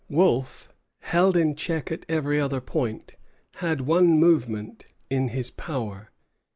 Wolfe, held in check at every other point, had one movement in his power.